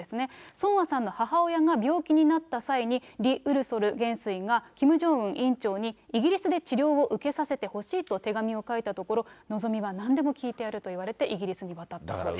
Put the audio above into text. ソンアさんの母親が病気になった際に、リ・ウルソル元帥がキム・ジョンウン委員長にイギリスで治療を受けさせてほしいと手紙を書いたところ、望みはなんでも聞いてやると言われて、イギリスに渡ったそうです。